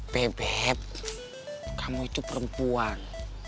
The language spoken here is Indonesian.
bebek kamu itu perempuan